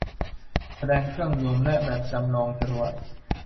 แสดงเครื่องยนต์และแบบจำลองจรวด